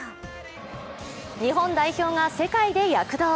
日本代表が世界で躍動。